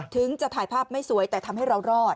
ถึงจะถ่ายภาพไม่สวยแต่ทำให้เรารอด